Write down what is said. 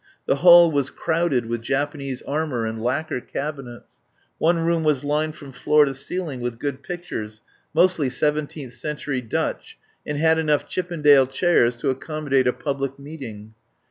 The hall was crowded with Japanese armour and lac quer cabinets. One room was lined from floor to ceiling with good pictures, mostly seven teenth century Dutch, and had enough Chip pendale chairs to accommodate a public meet ing.